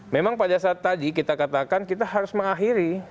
memang pada saat tadi kita katakan kita harus mengakhiri